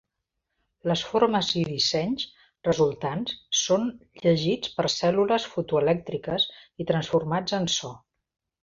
Les formes i dissenys resultants són llegits per cèl·lules fotoelèctriques i transformats en so.